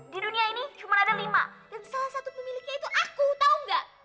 di dunia ini cuma ada lima dan salah satu pemiliknya itu aku tahu nggak